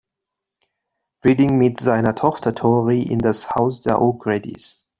Redding mit seiner Tochter Tory in das Haus der O’Gradys.